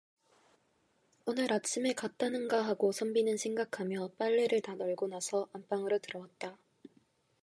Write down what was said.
오늘 아침에 갔는가 하고 선비는 생각하며 빨래를 다 널고 나서 안방으로 들어왔다.